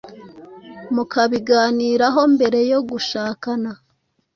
mukabiganiraho mbere yo gushakana